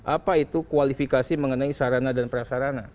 apa itu kualifikasi mengenai sarana dan prasarana